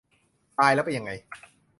ตายแล้วเป็นยังไง ?